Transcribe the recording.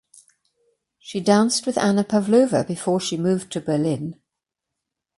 She danced with Anna Pavlova before she moved to Berlin.